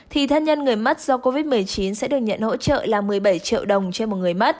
thì thân nhân người mất do covid một mươi chín sẽ được nhận hỗ trợ là một mươi bảy triệu đồng trên một người mắt